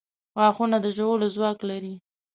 • غاښونه د ژولو ځواک لري.